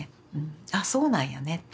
あっそうなんやねって。